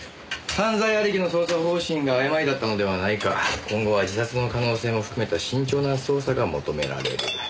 「犯罪ありきの捜査方針が誤りだったのではないか」「今後は自殺の可能性も含めた慎重な捜査が求められる」